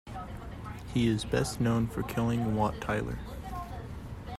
He is best known for killing Wat Tyler.